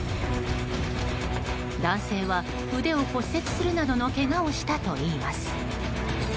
男性は腕を骨折するなどのけがをしたといいます。